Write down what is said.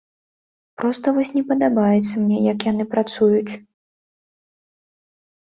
Проста вось не падабаецца мне, як яны працуюць.